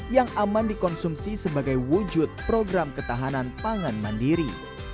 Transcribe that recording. yang aman dikonsumsi sebagai wujud program ketahanan pangan mandiri